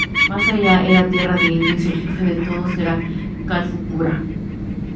Más allá era tierra de indios y el jefe de todos era Calfucurá.